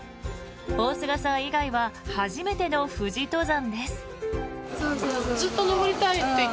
大須賀さん以外は初めての富士登山です。